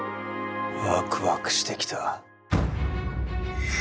ワクワクしてきた。